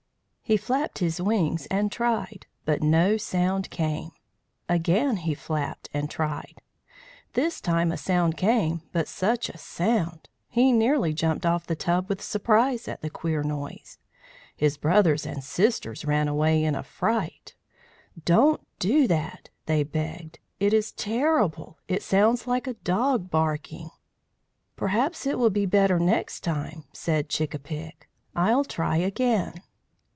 He flapped his wings and tried, but no sound came. Again he flapped and tried. This time a sound came, but such a sound! He nearly jumped off the tub with surprise at the queer noise. His brothers and sisters ran away in a fright. "Don't do that," they begged. "It is terrible. It sounds like a dog barking." "Perhaps it will be better next time," said Chick a pick. "I'll try again."